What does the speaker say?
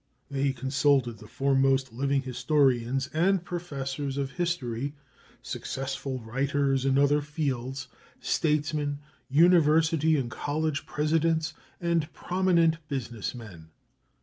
They consulted the foremost living historians and professors of history, successful writers in other fields, statesmen, university and college presidents, and prominent business men.